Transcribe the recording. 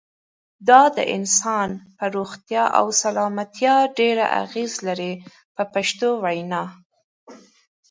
دا د انسان پر روغتیا او سلامتیا ډېره اغیزه لري په پښتو وینا.